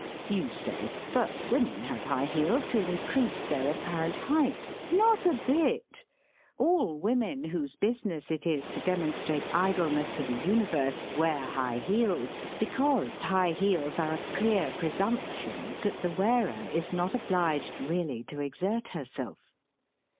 You say: "But women have high heels to increase their apparent height." Not a bit! All women whose business it is to demonstrate idleness to the universe wear high heels, because high heels are a clear presumption that the wearer is not obliged really to exert herself.